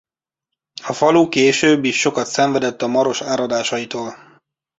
A falu később is sokat szenvedett a Maros áradásaitól.